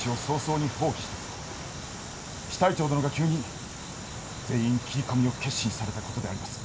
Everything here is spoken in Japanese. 支隊長殿が急に全員切り込みを決心された事であります。